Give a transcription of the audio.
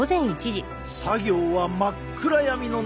作業は真っ暗闇の中。